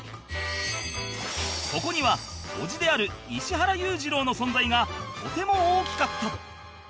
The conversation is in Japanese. そこには叔父である石原裕次郎の存在がとても大きかった